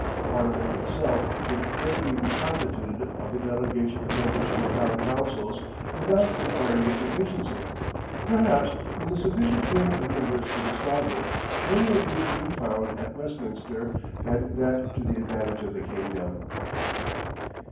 Parliament itself could readily be constituted of a delegation of members from the town councils without impairing its efficiency. Perhaps when the sufficient payment of members is established, many of these will be found at Westminster and that to the advantage of the Kingdom.